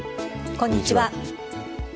こんにちは。